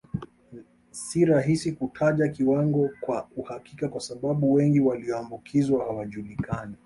Si rahisi kutaja kiwango kwa uhakika kwa sababu wengi walioambukizwa hawajulikani